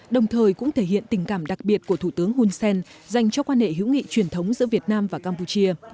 đồng thời cũng thể hiện tình cảm đặc biệt của thủ tướng hun sen dành cho quan hệ hữu nghị truyền thống giữa việt nam và campuchia